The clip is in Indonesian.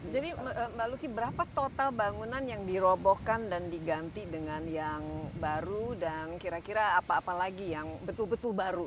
jadi mbak luki berapa total bangunan yang dirobohkan dan diganti dengan yang baru dan kira kira apa apa lagi yang betul betul baru